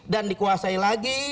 dan dikuasai lagi